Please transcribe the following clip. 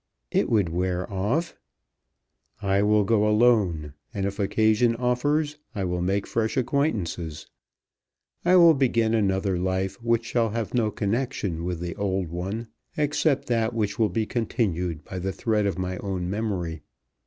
"It would wear off." "I will go alone; and if occasion offers I will make fresh acquaintances. I will begin another life which shall have no connection with the old one, except that which will be continued by the thread of my own memory.